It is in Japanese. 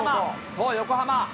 そう、横浜。